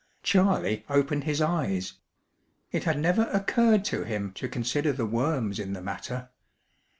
Charley opened his eyes. It had never occurred to him to consider the worms in the matter.